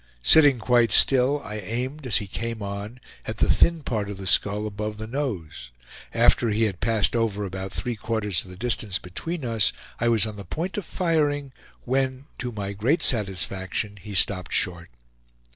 Sitting quite still I aimed, as he came on, at the thin part of the skull above the nose. After he had passed over about three quarters of the distance between us, I was on the point of firing, when, to my great satisfaction, he stopped short.